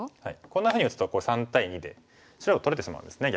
こんなふうに打つと３対２で白が取れてしまうんですね